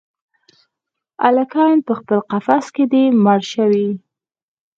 الیکین پخپل قفس کي دی مړ شوی